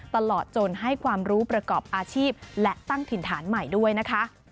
ตลอดจนให้ความรู้ประกอบอาชีพและตั้งถิ่นฐานใหม่ด้วยนะคะ